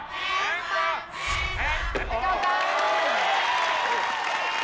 แพงกว่าแพงกว่า